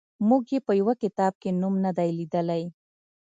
موږ یې په یوه کتاب کې نوم نه دی لیدلی.